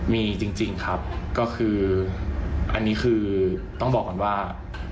มีจริงครับก็คืออันนี้คือต้องบอกก่อนว่า